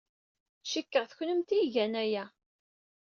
Cikkeɣ d kennemti ay igan aya.